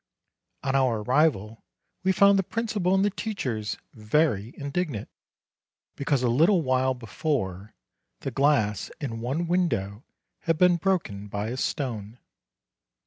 On our arrival we found the principal and the teachers very indignant, because a little while be fore the glass in one window had been broken by a stone.